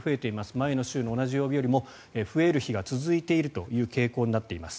前の週の同じ曜日よりも増える日が続いているという傾向になっています。